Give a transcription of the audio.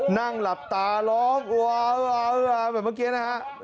นั่งหลับตาร้องแบบเมื่อกี้นะครับ